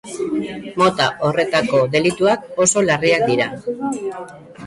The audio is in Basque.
Mota horretako delituak oso larriak dira.